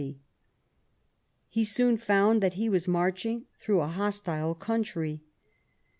He soon found that he was marching through a hostile country.